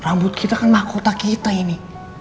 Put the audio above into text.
rambut kita kan mahkota kita ini